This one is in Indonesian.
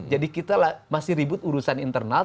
jadi kita masih ribut urusan internal